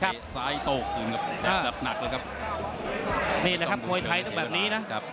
ภาพแบบนี้แหละครับมวยไท่ต้องแบบนี้นะ